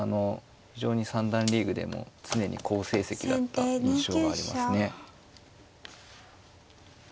非常に三段リーグでも常に好成績だった印象がありますね。